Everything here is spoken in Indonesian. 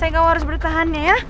sayang kamu harus bertahan ya